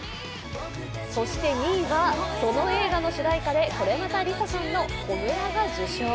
そして２位はその映画の主題歌でこれまたＬｉＳＡさんの「炎」が受賞。